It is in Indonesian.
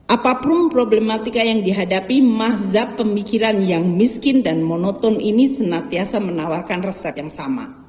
apapun problematika yang dihadapi mazhab pemikiran yang miskin dan monoton ini senantiasa menawarkan resep yang sama